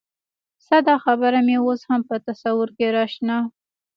ستا دا خبره مې اوس هم په تصور کې راشنه